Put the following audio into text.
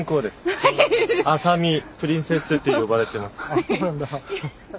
あっそうなんだ。